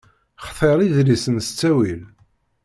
Xtir idlisen s ttawil.